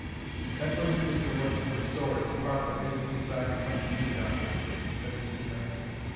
"That brings me to the rest of the story, the part that made me decide to come to you, Doctor," said the seaman.